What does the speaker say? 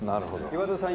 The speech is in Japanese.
岩田さん